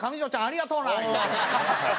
ありがとうな」。